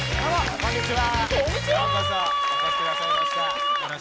こんにちは。